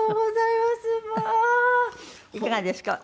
いかがですか？